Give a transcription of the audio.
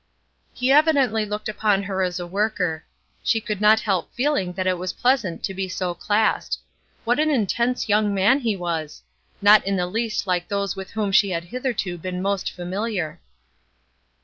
He evidently looked upon her as a worker. She could not help feeling that it was pleasant to be so classed. What an intense young man he was! Not in the least like those with whom she had hitherto been most familiar.